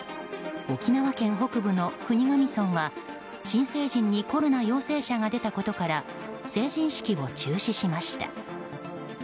沖縄県北部の国頭村は、新成人にコロナ陽性者が出たことから成人式を中止しました。